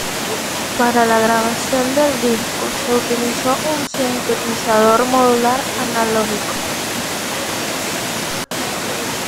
Para la grabación del disco se utilizó un sintetizador modular analógico.